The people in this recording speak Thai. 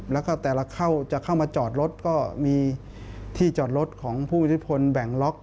แล้วก็แต่ละเข้าจะเข้ามาจอดรถก็มีที่จอดรถของผู้อิทธิพลแบ่งล็อก